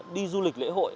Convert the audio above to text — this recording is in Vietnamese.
đi du lịch lễ hội